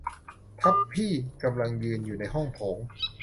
ทัพพี่กำลังยืนอยู่ในห้องโถง